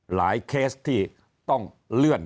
เคสที่ต้องเลื่อน